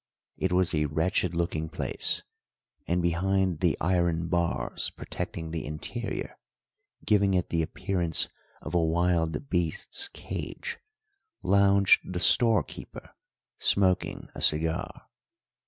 It was a wretched looking place, and behind the iron bars protecting the interior, giving it the appearance of a wild beast's cage, lounged the storekeeper smoking a cigar.